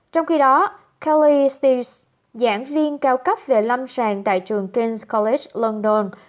trong khi đó kelly steeves giảng viên cao cấp về lâm sàng tại trường king s college london